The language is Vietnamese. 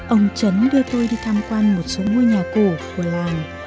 ông chấn đưa tôi đi tham quan một số ngôi nhà cổ của làng